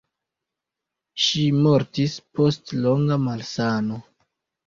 Ŝi mortis post longa malsano.